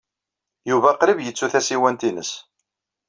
Yuba qrib yettu tasiwant-nnes.